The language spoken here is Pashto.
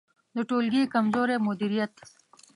د ټولګي کمزوری مدیریت